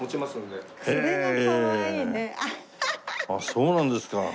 そうなんですか。